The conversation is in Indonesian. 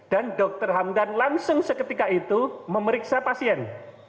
dan dr hamdan langsung seketika itu memeriksa pasien